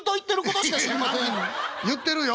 言ってるよ